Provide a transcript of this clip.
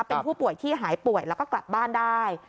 เป็นผู้ป่วยที่หายป่วยแล้วก็กลับบ้านได้